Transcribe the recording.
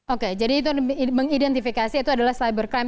oke jadi itu mengidentifikasi itu adalah cybercrime